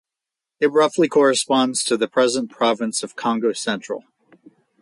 It roughly corresponds to the present province of Kongo Central.